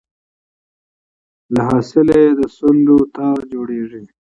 له حاصله یې د سونډو تار جوړیږي